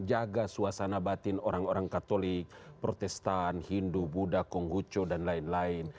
jaga suasana batin orang orang katolik protestan hindu buddha konghucu dan lain lain